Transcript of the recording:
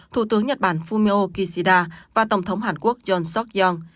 thủ tướng nhật bản fumio kishida và tổng thống hàn quốc john seok yong